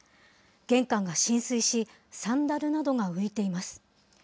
玄関が浸水し、サンダルなどが浮いています。